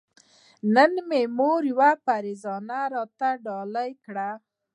نن مې مور يوه پيرزوينه راته ډالۍ کړه